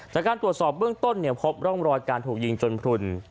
จากการตรวจสอบเบื้องต้นเนี่ยพบร่องรอยการถูกยิงจนพลุน